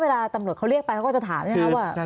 เพราะเวลาตำรวจเขาเรียกไปเขาก็จะถามนะครับว่า